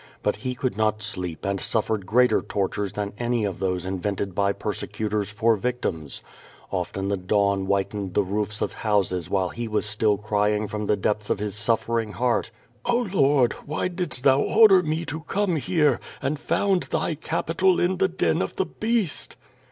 But he could not sleep and suffered greater tortures than any of those invented by persecutors for victims. Often the dawn whitened the roofs of houses while he was still crying from the depths of his suffering heart: "Oh, Lord, why didst Thou order me to come here and found Thy capital in the den of the "Beast?"